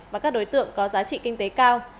và các đối tượng có giá trị kinh tế cao